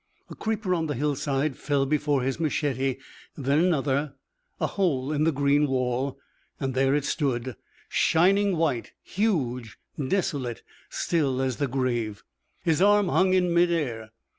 A creeper on the hillside fell before his machete, then another a hole in the green wall and there it stood, shining white, huge, desolate, still as the grave. His arm hung in mid air.